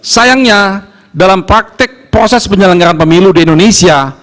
sayangnya dalam praktek proses penyelenggaraan pemilu di indonesia